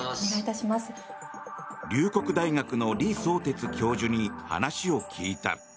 龍谷大学の李相哲教授に話を聞いた。